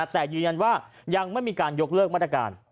แต่ยืนยันว่ายังไม่มีการยกเลิกมาตรการ